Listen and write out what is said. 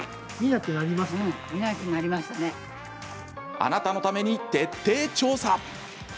あなたのために徹底調査！